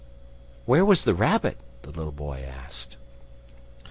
"Where was the Rabbit?" the little boy asked.